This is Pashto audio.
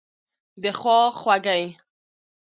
دخوا خوګۍ